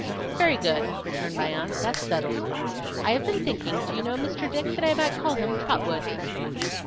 'Very good,' returned my aunt, 'that's settled. I have been thinking, do you know, Mr. Dick, that I might call him Trotwood?